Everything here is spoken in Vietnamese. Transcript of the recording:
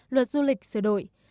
luật du lịch sửa đổi